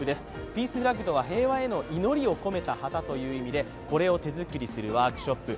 ピースフラッグとは平和への祈りを込めた旗ということでこれを手作りするワークショップ。